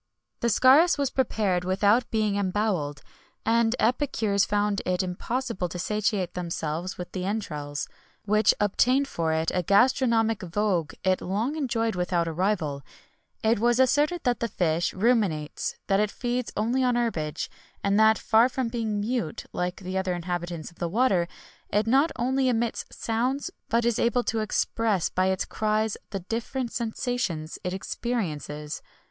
The scarus was prepared without being embowelled, and epicures found it impossible to satiate themselves with the entrails,[XXI 90] which obtained for it a gastronomic vogue it long enjoyed without a rival.[XXI 91] It was asserted that the fish ruminates;[XXI 92] that it feeds only on herbage;[XXI 93] and that, far from being mute, like the other inhabitants of the water, it not only emits sounds, but is able to express by its cries the different sensations it experiences.